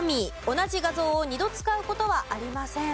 同じ画像を２度使う事はありません。